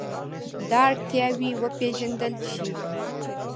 دا اړتیاوې وپېژندل شي.